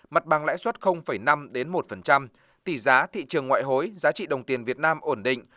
mặt bằng lãi suất năm một tỷ giá thị trường ngoại hối giá trị đồng tiền việt nam ổn định